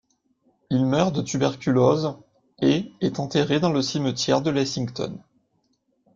Il meurt de tuberculose et est enterré dans le cimetière de Lexington.